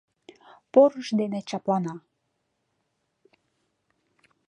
Порыж дене чаплана.